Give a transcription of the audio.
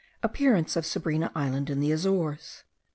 Appearance of Sabrina Island, in the Azores.